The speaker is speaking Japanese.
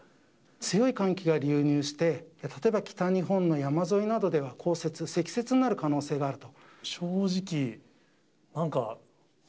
強い寒気が流入して、例えば北日本の山沿いなどでは降雪、積雪になる可能性があると。